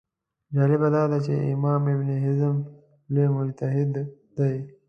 جالبه دا ده چې امام ابن حزم لوی مجتهد دی